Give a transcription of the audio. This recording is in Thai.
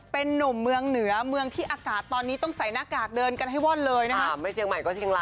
เป็นนุ่มเมืองเหนือเมืองที่อากาศตอนนี้ต้องใส่หน้ากากเดินกันให้ว่อนเลยนะคะ